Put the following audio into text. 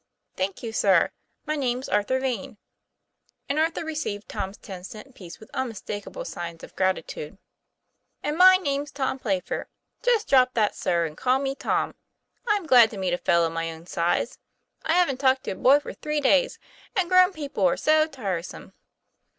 "Thank you, sir: my name's Arthur Vane," and Arthur received Tom's ten cent piece with unmistak able signs of gratitude. "And my name's Tom Playfair; just drop that 'sir,' and call me Tom. I'm glad to meet a fellow my own size. I haven't talked to a boy for three days ; and grown people are so tiresome